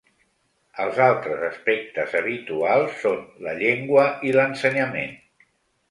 Els altres aspectes habituals són la llengua i l’ensenyament.